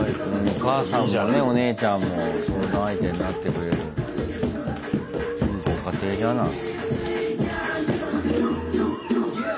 お母さんもねお姉ちゃんも相談相手になってくれるいいご家庭じゃない。